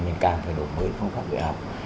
mình càng phải đổi mới phương pháp dạy học